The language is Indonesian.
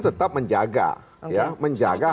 tetap menjaga menjaga